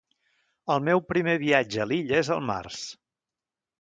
El meu primer viatge a l'illa és al Març.